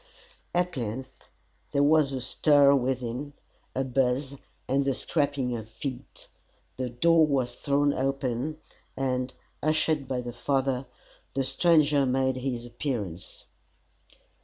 At length there was a stir within, a buzz and the scraping of feet. The door was thrown open, and, ushered by the father, the stranger made his appearance.